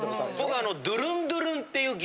僕。